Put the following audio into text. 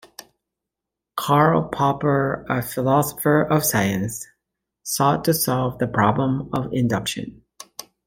Karl Popper, a philosopher of science, sought to solve the problem of induction.